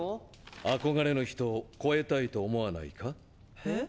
憧れの人を超えたいと思わないか？へ？